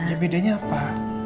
ya bedanya apa